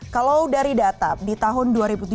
kalau dari data di tahun dua ribu tujuh belas